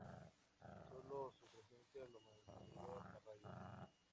Solo su presencia lo mantendría a raya.